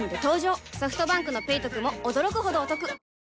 ソフトバンクの「ペイトク」も驚くほどおトク